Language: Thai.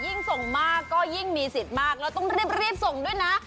ส่งมากก็ยิ่งมีสิทธิ์มากแล้วต้องรีบส่งด้วยนะ